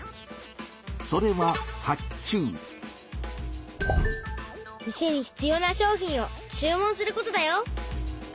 それは店に必要な商品を注文することだよ。